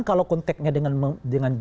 kalau konteknya dengan